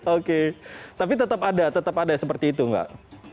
oke tapi tetap ada seperti itu nggak